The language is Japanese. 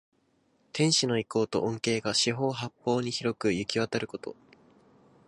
天子の威光と恩恵が四方八方に広くゆきわたること。